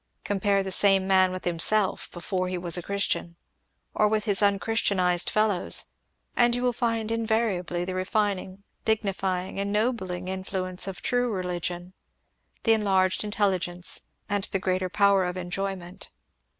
Compare the same man with himself before he was a Christian or with his unchristianized fellows and you will find invariably the refining, dignifying, ennobling, influence of true religion; the enlarged intelligence and the greater power of enjoyment."